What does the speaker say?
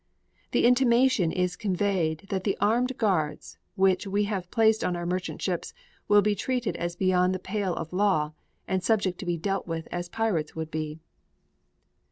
The intimation is conveyed that the armed guards which we have placed on our merchant ships will be treated as beyond the pale of law and subject to be dealt with as pirates would be.